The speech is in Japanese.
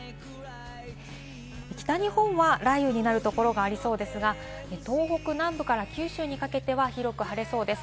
北日本は雷雨になるところがありそうですが、東北南部から九州にかけては広く晴れそうです。